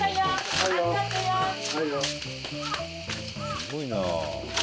すごいな。